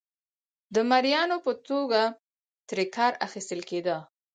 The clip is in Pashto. د مریانو په توګه ترې کار اخیستل کېده.